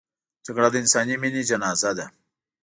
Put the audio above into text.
جګړه د انساني مینې جنازه ده